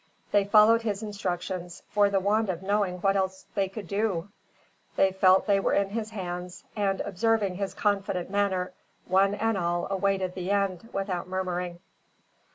They followed his instructions, for the want of knowing what else they could do. They felt that they were in his hands; and, observing his confident manner one and all awaited the end without murmuring.